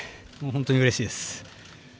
本当にうれしいです。